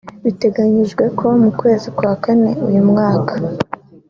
Biteganyijwe ko mu kwezi kwa Kane uyu mwaka